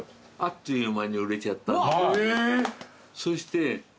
そして。